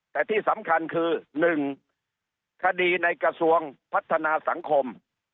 แต่ที่สำคัญคือ๑คดีในกระทรวงพัฒนาสังคม